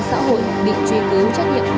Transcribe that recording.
mạng xã hội bị truy cứu trách nhiệm